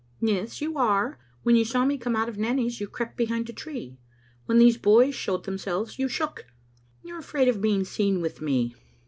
"Yes, you are. When you saw me come out of Nanny's you crept behind a tree; when these boys showed themselves you shook. You are afraid of being seen with me.